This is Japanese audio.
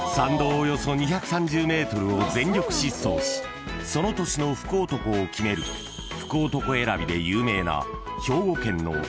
およそ２３０ｍを全力疾走しその年の福男を決める福男選びで有名な］